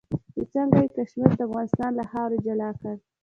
چې څنګه یې کشمیر د افغانستان له خاورې جلا کړ.